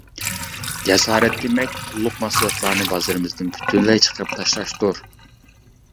جاسارەت دېمەك، قۇللۇق مەھسۇلاتلارنى بازىرىمىزدىن پۈتۈنلەي چىقىرىپ تاشلاشتۇر.